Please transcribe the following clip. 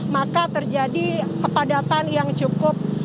maka terjadi kepadatan yang cukup